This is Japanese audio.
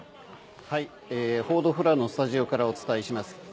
報道フロアのスタジオからお伝えします。